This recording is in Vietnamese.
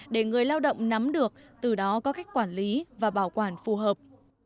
để người lao động nắm được từ đó có cách quản lý và bảo quản phù hợp